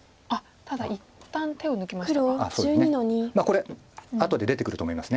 これ後で出てくると思います。